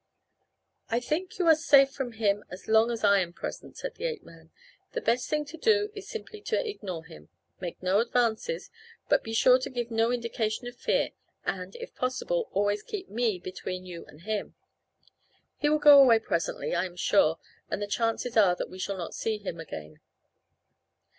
"I think you are safe from him as long as I am present," said the ape man. "The best thing to do is simply to ignore him. Make no advances, but be sure to give no indication of fear and, if possible always keep me between you and him. He will go away presently I am sure and the chances are that we shall not see him again."